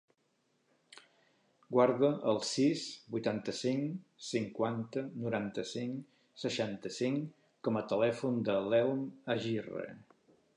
Guarda el sis, vuitanta-cinc, cinquanta, noranta-cinc, seixanta-cinc com a telèfon de l'Elm Agirre.